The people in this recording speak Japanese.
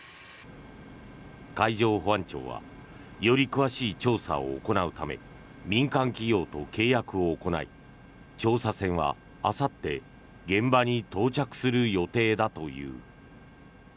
海上保安庁はより詳しい調査を行うため民間企業と契約を行い調査船は、あさって現場に到着する予定だという。